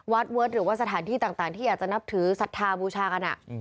เวิร์ดหรือว่าสถานที่ต่างที่อาจจะนับถือศรัทธาบูชากัน